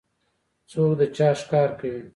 څوک د چا ښکار کوي؟